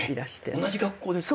同じ学校ですか！？